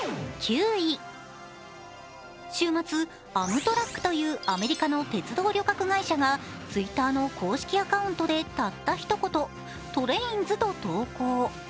週末、アムトラックというアメリカの鉄道旅客会社がＴｗｉｔｔｅｒの公式アカウントでたった一言「ｔｒａｉｎｓ」と投稿。